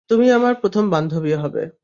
তুমিই আমার প্রথম বান্ধবী হবে।